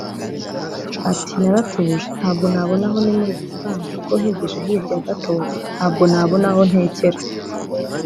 Ati “ Naratuje ntabwo nabona aho nimurira igitanda kuko nkigije hirya gato ntabwo nabona aho ntekera